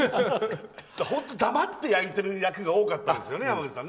本当に黙って焼いてる役が多かったですよね、山口さん。